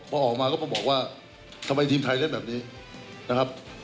พอออกมาก็มาบอกว่าทำไมทีมไทยเล่นแบบนี้นะครับ